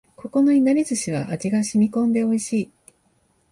ここのいなり寿司は味が染み込んで美味しい